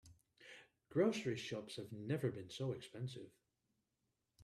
Grocery shops have never been so expensive.